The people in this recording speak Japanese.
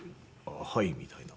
「はい」みたいな。